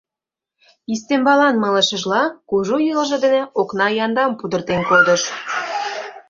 Ӱстембалан малышыжла, кужу йолжо дене окна яндам пудыртен кодыш.